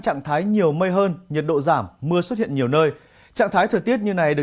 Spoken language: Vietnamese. trạng thái nhiều mây hơn nhiệt độ giảm mưa xuất hiện nhiều nơi trạng thái thời tiết như này được